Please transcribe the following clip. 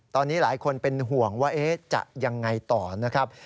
ตอนนี้หลายคนเป็นห่วงว่าจะยังไงต่อนะครับ